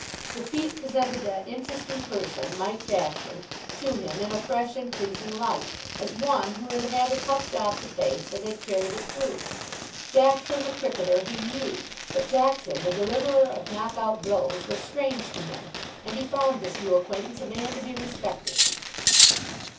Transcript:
The feat presented that interesting person, Mike Jackson, to him in a fresh and pleasing light, as one who had had a tough job to face and had carried it through. Jackson, the cricketer, he knew, but Jackson, the deliverer of knock out blows, was strange to him, and he found this new acquaintance a man to be respected.